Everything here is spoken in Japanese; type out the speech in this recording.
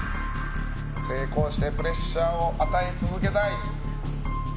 成功してプレッシャーを与え続けたい。